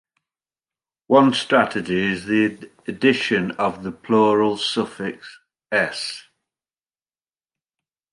One strategy is the addition of the plural suffix "-s".